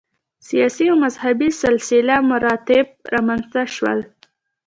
سیاسي او مذهبي سلسله مراتب رامنځته شول.